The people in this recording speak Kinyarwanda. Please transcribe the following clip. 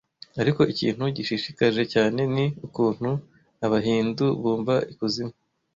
Ariko ikintu gishishikaje cyane ni ukuntu Abahindu bumva ikuzimu